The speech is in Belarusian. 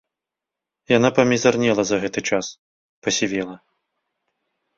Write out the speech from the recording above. Яна памізарнела за гэты час, пасівела.